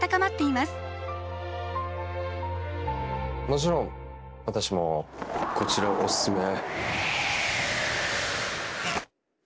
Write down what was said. もちろん私もこちらをおすすめ。